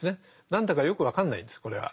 何だかよく分かんないんですこれは。